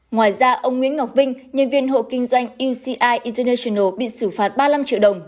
ngoài ra ông nguyễn ngọc vinh nhân viên hộ kinh doanh eci ethernational bị xử phạt ba mươi năm triệu đồng